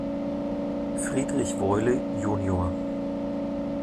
Friedrich Weule jun.